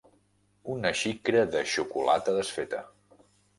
Una xicra de xocolata desfeta.